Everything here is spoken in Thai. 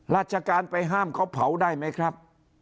ราชการไปห้ามเขาเผาได้ไหมครับ